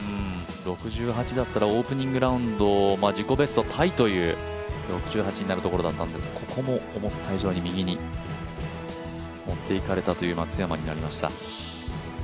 ６８だったらオープニングラウンド自己ベストタイの６８になるところだったんですけどここも思った以上に右に持っていかれたという松山になりました。